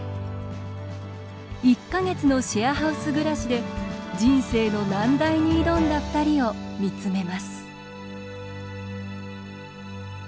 １か月のシェアハウス暮らしで人生の難題に挑んだふたりを見つめます。